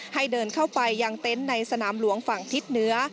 ให้เดินเข้าไปยังเต็นต์ในสนามหลวงฝั่งทิศเหนือ